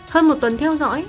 hơn một tuần theo dõi